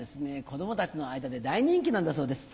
子供たちの間で大人気なんだそうです。